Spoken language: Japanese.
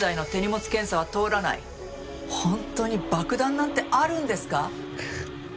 本当に爆弾なんてあるんですか？